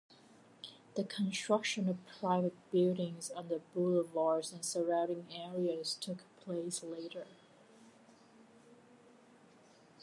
The construction of private buildings on the boulevards and surrounding areas took place later.